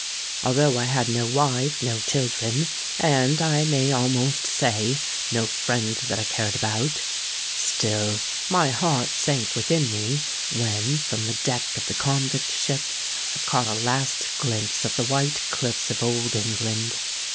Although I had no wife,—no children,—and, I may almost say, no friend that I cared about,—still my heart sank within me, when, from the deck of the convict ship, I caught a last glimpse of the white cliffs of Old England.